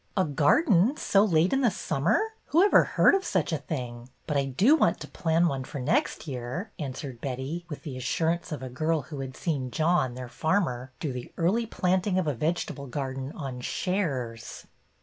A garden so late in the summer ? Who ever heard of such a thing ? But I do want to plan one for next year," answered Betty, with the assurance of a girl who had seen John, their farmer, do the early planting of a vegetable gar den '' on shares."